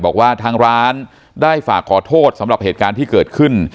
บอกว่าทางร้านได้ฝากขอโทษสำหรับเหตุการณ์ที่เกิดขึ้น